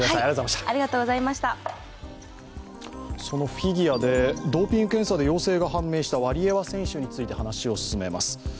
そのフィギュアでドーピング検査で陽性が判明したワリエワ選手について話を進めます。